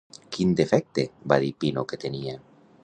Quin defecte va dir Pino que tenia?